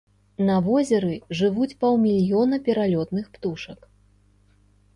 На возеры жывуць паўмільёна пералётных птушак.